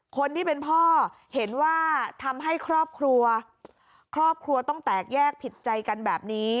คนที่เป็นพ่อเห็นว่าทำให้ครอบครัวครอบครัวต้องแตกแยกผิดใจกันแบบนี้